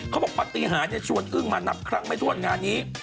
เขาบอกปฏิหารเนี่ยชวนอึ้งมานับครั้งไม่ทวนงานนี้